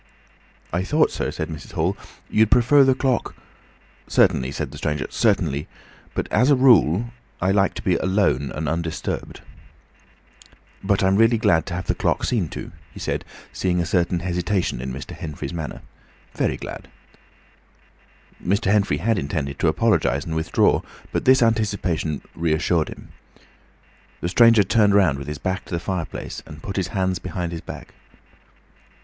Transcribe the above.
"I thought, sir," said Mrs. Hall, "you'd prefer the clock—" "Certainly," said the stranger, "certainly—but, as a rule, I like to be alone and undisturbed. "But I'm really glad to have the clock seen to," he said, seeing a certain hesitation in Mr. Henfrey's manner. "Very glad." Mr. Henfrey had intended to apologise and withdraw, but this anticipation reassured him. The stranger turned round with his back to the fireplace and put his hands behind his back.